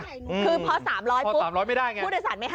คือพอ๓๐๐ไม่ได้ไง